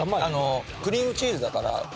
クリームチーズだから甘っ！